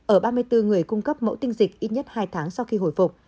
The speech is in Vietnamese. ở ba mươi bốn người cung cấp mẫu tinh dịch ít nhất hai tháng sau khi hồi phục